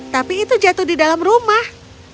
tapi itu jatuh di dalam rumah